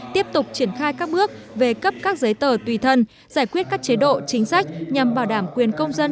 tiếp tục triển khai các bước về cấp các giấy tờ tùy thân giải quyết các chế độ chính sách nhằm bảo đảm quyền công dân